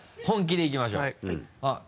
本気でいきましょう。